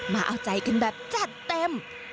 มาเอาใจกันแบบจัดเต็ม